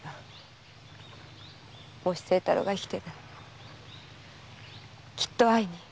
もし清太郎が生きていたらきっと会いに。